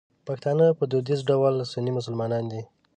پښتانه په دودیز ډول سني مسلمانان دي.